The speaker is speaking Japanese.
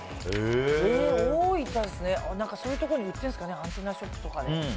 大分ですねそういったところに売ってるんですかねアンテナショップとかで。